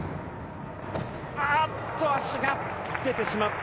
あっと足が出てしまった。